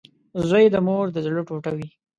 • زوی د مور د زړۀ ټوټه وي.